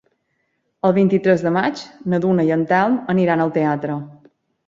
El vint-i-tres de maig na Duna i en Telm aniran al teatre.